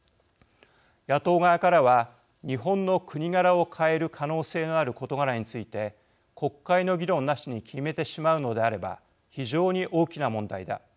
野党側からは日本の国柄を変える可能性のある事柄について国会の議論なしに決めてしまうのであれば非常に大きな問題だ。